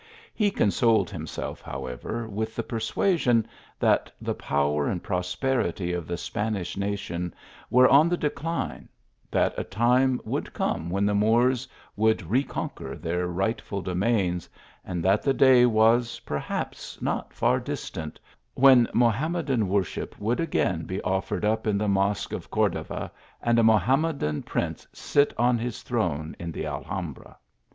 He consoled himself, however, with the persuasion, that the power and prosperity of the Spanish nation were on the decline ; that a time would come when the Moors would reconquer their rightful domains; and that the day was, perhaps, not far distant, when Mohammedan wor ship would again be offered up in the mosque of Cordova, and a Mohammedan prince sit on his throne in the Alhambra.